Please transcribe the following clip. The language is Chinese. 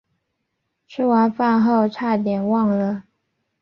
吃完饭后差点忘了